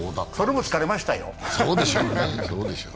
それも疲れましたよ。